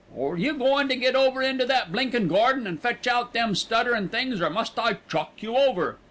Are you goin' to get over into that blinkin' garden and fetch out them stutterin' things, or must I chuck you over?"